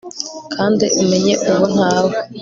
kandi umenye ubu ntawe